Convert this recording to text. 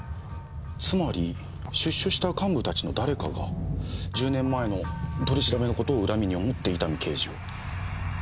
つまり出所した幹部たちの誰かが１０年前の取り調べの事を恨みに思って伊丹刑事を。